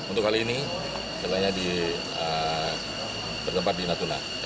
untuk kali ini terdapat di natuna